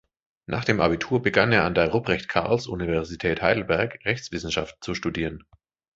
Nach dem Abitur begann er an der Ruprecht-Karls-Universität Heidelberg Rechtswissenschaft zu studieren.